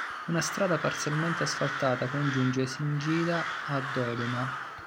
Una strada parzialmente asfaltata congiunge Singida a Dodoma.